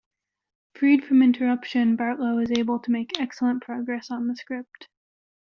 Freed from interruption, Bartlow is able to make excellent progress on the script.